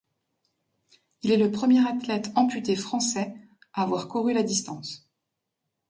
Il est le premier athlète amputé français à avoir couru la distance.